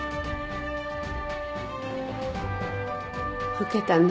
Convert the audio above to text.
老けたな。